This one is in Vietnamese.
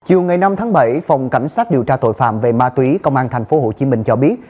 chiều ngày năm tháng bảy phòng cảnh sát điều tra tội phạm về ma túy công an tp hcm cho biết